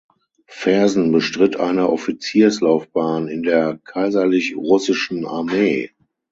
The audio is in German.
Fersen bestritt eine Offizierslaufbahn in der Kaiserlich Russischen Armee.